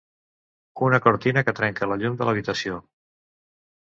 Una cortina que trenca la llum de l'habitació.